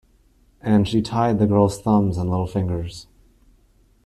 And she tied the girl's thumbs and little fingers.